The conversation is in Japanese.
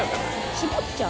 絞っちゃう？